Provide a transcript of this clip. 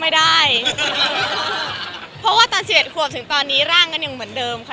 ไม่ได้เพราะว่าตอนสิบเอ็ดขวบถึงตอนนี้ร่างก็ยังเหมือนเดิมค่ะ